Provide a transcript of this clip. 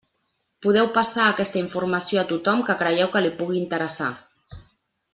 Podeu passar aquesta informació a tothom que creieu que li pugui interessar.